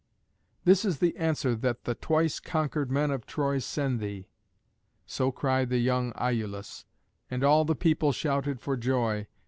"This is the answer that the twice conquered men of Troy send thee." So cried the young Iülus, and all the people shouted for joy.